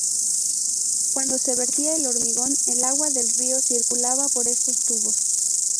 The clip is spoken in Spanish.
Cuando se vertía el hormigón, el agua del río circulaba por estos tubos.